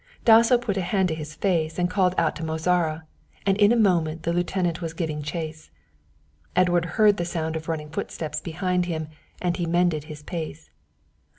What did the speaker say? Dasso put a hand to his face and called out to Mozara, and in a moment the lieutenant was giving chase. Edward heard the sound of running footsteps behind him and he mended his pace.